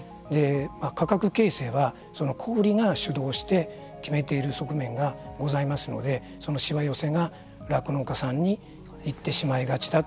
価格形成はその小売りが主導して決めている側面がございますのでそのしわ寄せが酪農家さんに行ってしまいがちだと。